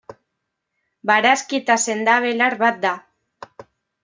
Barazki eta sendabelar bat da.